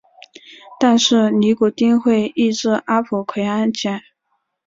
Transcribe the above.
但是尼古丁会抑制阿朴奎胺碱。